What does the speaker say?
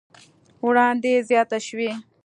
وړاندې زياته شوې